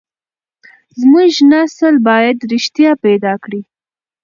زموږ نسل بايد رښتيا پيدا کړي.